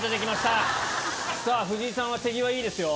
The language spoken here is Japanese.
さぁ藤井さんは手際いいですよ。